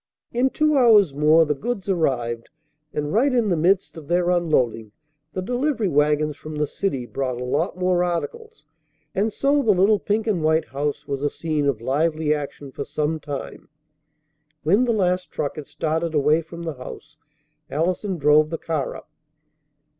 In two hours more the goods arrived, and right in the midst of their unloading the delivery wagons from the city brought a lot more articles; and so the little pink and white house was a scene of lively action for some time. When the last truck had started away from the house, Allison drove the car up.